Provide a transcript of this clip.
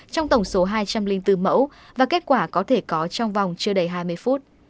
trong tổng số hai trăm linh bốn mẫu và kết quả có thể có trong vòng chưa đầy hai mươi phút